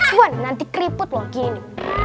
ah suwan nanti keriput lo gini